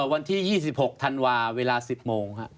วันที่๒๖ธันวาคมเวลา๑๐โมงครับ